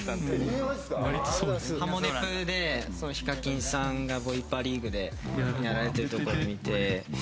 『ハモネプ』でＨＩＫＡＫＩＮさんがボイパリーグでやられてるところ見て。